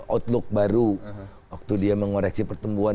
outlook baru waktu dia mengoreksi pertemuan